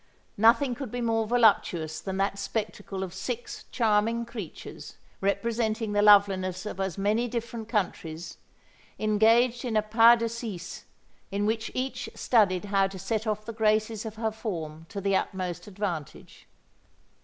Nothing could be more voluptuous than that spectacle of six charming creatures, representing the loveliness of as many different countries, engaged in a pas de six in which each studied how to set off the graces of her form to the utmost advantage.